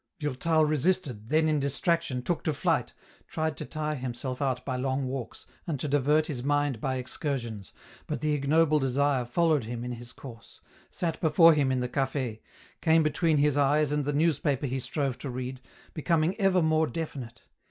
Durtal resisted, then in distraction, took to flight, tried to tire himself out by long walks, and to divert his mind by excursions, but the ignoble desire followed him in his course, sat before him in the Caf^, came between his eyes and the newspaper he strove to read, becoming ever more definite.